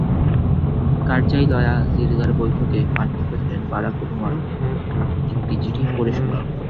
কারজাই লয়া জিরগার বৈঠকে মার্কিন প্রেসিডেন্ট বারাক ওবামার একটি চিঠি পড়ে শোনান।